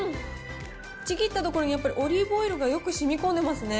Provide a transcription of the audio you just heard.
ちぎったところに、やっぱりオリーブオイルがよくしみこんでますね。